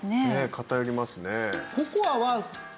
偏りますね。